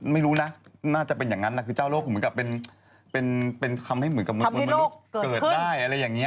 มันอาจจะเป็นอย่างนั้นคือเจ้าโรคเหมือนกับเป็นคำให้โรคเกิดได้